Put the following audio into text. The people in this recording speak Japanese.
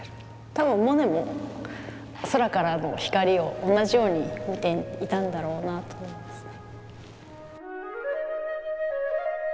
たぶんモネも空からの光を同じように見ていたんだろうなと思いますね。